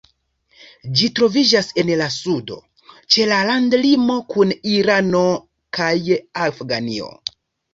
Ĝi troviĝas en la sudo, ĉe landlimo kun Irano kaj Afganio.